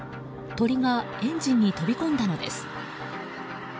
鳥がエンジンに飛び込んだのです。